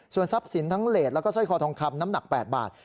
ส่วนทรัพย์สินทั้งเลสแล้วก็สร้อยคอทองคำน้ำหนัก๘บาท